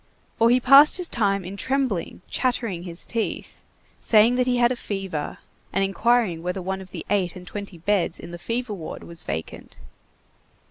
Or he passed his time in trembling, chattering his teeth, saying that he had a fever, and inquiring whether one of the eight and twenty beds in the fever ward was vacant.